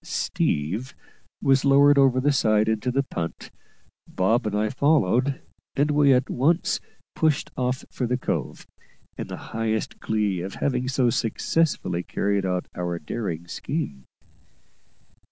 "Steve" was lowered over the side into the punt, Bob and I followed, and we at once pushed off for the cove, in the highest glee at having so successfully carried out our daring scheme.